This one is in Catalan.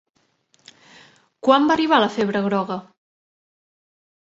Quan va arribar la febre groga?